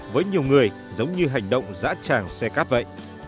với nhiều người giống như hành động giã tràng xe cáp vậy